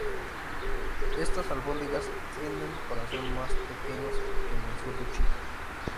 Estas albóndigas tienden para ser más pequeñas que en el sur de China.